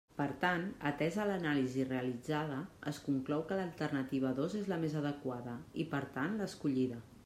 Per tant, atesa l'anàlisi realitzada, es conclou que l'alternativa dos és la més adequada, i, per tant, l'escollida.